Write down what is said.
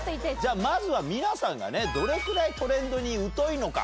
まずは皆さんがどれくらいトレンドに疎いのか？